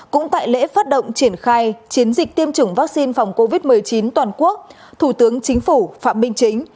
trong lúc phát động triển khai chiến dịch tiêm chủng vaccine phòng covid một mươi chín toàn quốc thủ tướng chính phủ phạm minh chính